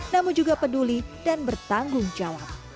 namun juga peduli dan bertanggung jawab